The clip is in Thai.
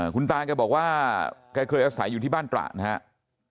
คุณตาแกบอกว่าแกเคยอาศัยอยู่ที่บ้านตระนะครับ